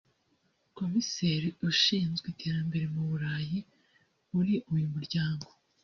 Komiseri ushinzwe itererambere mu Burayi muri uyu muryango